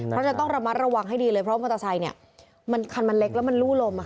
เพราะฉะนั้นต้องระมัดระวังให้ดีเลยเพราะมอเตอร์ไซค์มันคันมันเล็กแล้วมันลู่ลม